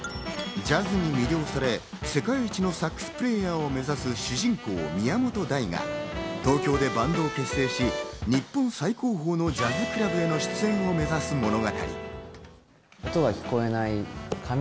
ジャズに魅了され、世界一のサックスプレーヤーを目指す主人公・宮本大が東京でバンドを結成し、日本最高峰のジャズクラブへの出演を目指す物語。